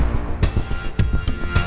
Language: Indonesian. saya mau ke rumah